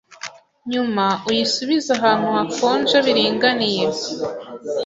nyuma uyi subize ahantu hakonje biringaniye.